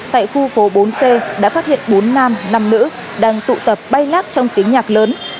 tại khu phố bốn c đã phát hiện bốn nam năm nữ đang tụ tập bay lát trong tiếng nhạc lớn